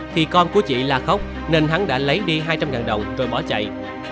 thì con của chị la khóc nên hắn đã lấy đi hai trăm linh đồng rồi bỏ chạy